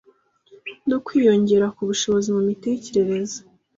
no kwiyongera k’ubushobozi mu mitekerereze.